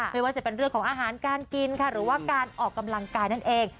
ไม่ว่าจะเป็นเรื่องของอาหารการกินค่ะหรือว่าการออกกำลังกายนั่นเอง